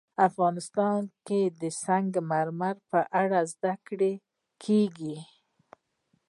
افغانستان کې د سنگ مرمر په اړه زده کړه کېږي.